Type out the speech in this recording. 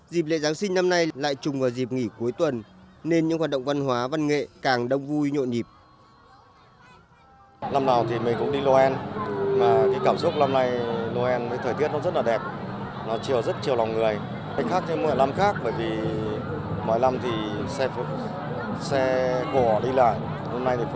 dịp lễ giáng sinh năm nay lại trùng vào dịp nghỉ cuối tuần nên những hoạt động văn hóa văn nghệ càng đông vui nhộn nhịp